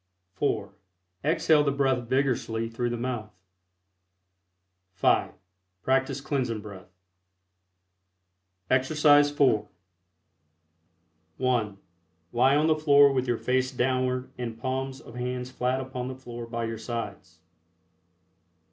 (4) Exhale the breath vigorously through the mouth. (5) Practice Cleansing Breath. EXERCISE IV. (1) Lie on the floor with your face downward and palms of hands flat upon the floor by your sides.